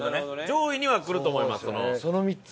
上位には来ると思います。